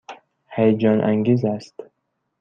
هیجان انگیز است.